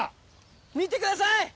見てください！